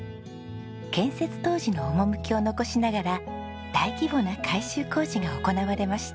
建設当時の趣を残しながら大規模な改修工事が行われました。